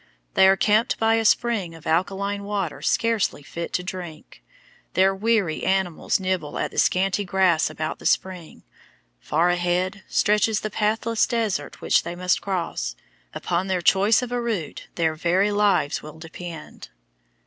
They are camped by a spring of alkaline water scarcely fit to drink; their weary animals nibble at the scanty grass about the spring; far ahead stretches the pathless desert which they must cross; upon their choice of a route their very lives will depend.